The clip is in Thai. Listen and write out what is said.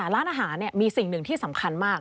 ร้านอาหารมีสิ่งหนึ่งที่สำคัญมาก